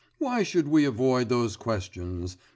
'Why should we avoid those questions